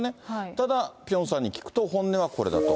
ただ、ピョンさんに聞くと、本音はこれだと。